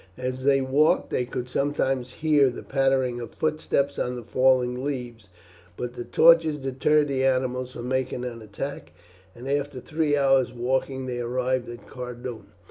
As they walked they could sometimes hear the pattering of footsteps on the falling leaves, but the torches deterred the animals from making an attack, and after three hours' walking they arrived at Cardun.